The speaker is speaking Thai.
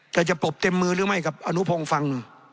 แต่จะปลบเต็มมือหรือไม่กับอนุพงศ์ฟัง